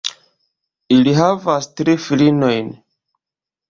Ili havas tri filinojn.